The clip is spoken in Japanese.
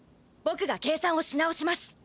ぼくが計算をし直します。